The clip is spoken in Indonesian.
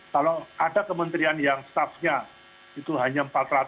kalau ada kementerian yang staffnya itu hanya empat ratus